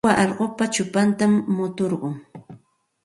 Suwa allqupa chupantam muturqun.